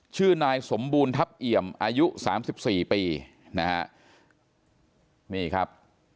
ชื่อนายสมบูรณ์ทัพเอี่ยมอายุ๓๔ปีนะครับ